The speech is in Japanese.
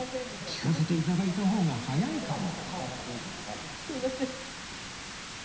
聴かせて頂いた方が早いかも？